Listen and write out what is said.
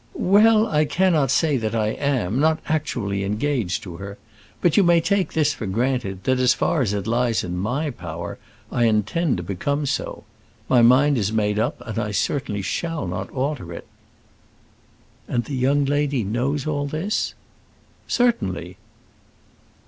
"Well, I cannot say that I am not actually engaged to her. But you may take this for granted, that, as far as it lies in my power, I intend to become so. My mind is made up, and I certainly shall not alter it." "And the young lady knows all this?" "Certainly."